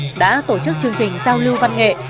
cơ động số một đã tổ chức chương trình giao lưu văn nghệ